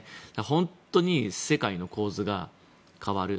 本当に世界の構図が変わる。